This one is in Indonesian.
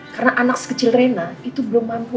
karena anak kecil rina itu belum mampu